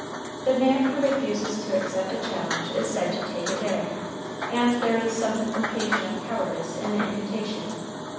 The man who refuses to accept a challenge is said to take a dare, and there is some implication of cowardice in the imputation.